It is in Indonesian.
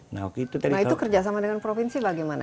nah itu kerjasama dengan provinsi bagaimana